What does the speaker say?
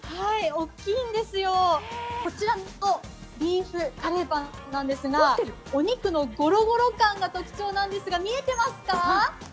大きいんですよ、こちらビーフカレーパンなんですがお肉のゴロゴロ感が特徴なんですが見えてますか？